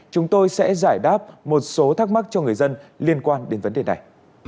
chúng tôi sẽ giải đáp một số thắc mắc cho người dân liên quan đến vấn đề này